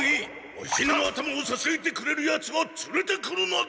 ワシの頭をささえてくれるヤツをつれてくるのだ！